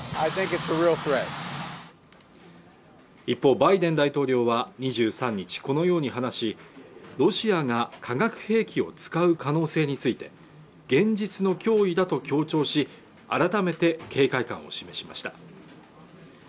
一方バイデン大統領は２３日このように話しロシアが化学兵器を使う可能性について現実の脅威だと強調し改めて警戒感を示しました